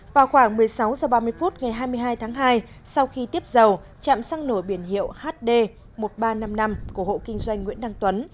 vào khoảng một mươi sáu h ba mươi phút ngày hai mươi hai tháng hai sau khi tiếp dầu chạm xăng nổ biển hiệu hd một nghìn ba trăm năm mươi năm của hộ kinh doanh nguyễn đăng tuấn